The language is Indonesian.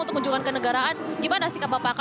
untuk kunjungan ke negaraan gimana sikap bapak